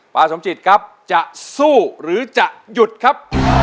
สมจิตครับจะสู้หรือจะหยุดครับ